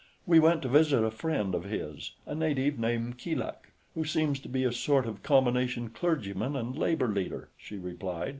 "We went to visit a friend of his, a native named Keeluk, who seems to be a sort of combination clergyman and labor leader," she replied.